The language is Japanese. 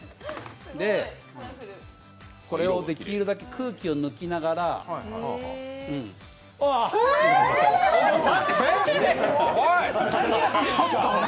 これをできるだけ空気を抜きながらああっ。